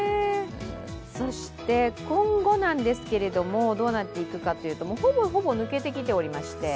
そして、今後なんですけれども、どうなっていくかというとほぼほぼ抜けてきておりまして。